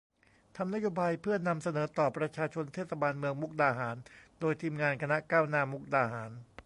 ทำนโยบายเพื่อนำเสนอต่อประชาชนเทศบาลเมืองมุกดาหาร โดยทีมงานคณะก้าวหน้ามุกดาหาร